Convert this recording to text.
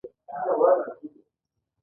علي په خپلو اخلاقو کې ډېره نرمي راوستلې ده.